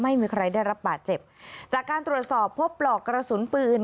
ไม่มีใครได้รับบาดเจ็บจากการตรวจสอบพบปลอกกระสุนปืน